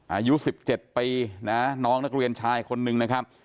อายุ๑๗ปีนะน้องนักเรียนชายคนนึงนะครับ